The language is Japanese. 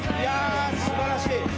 すばらしい。